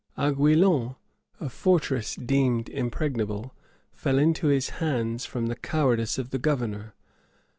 Aiguillon, a fortress deemed impregnable, fell into his hands from the cowardice of the governor.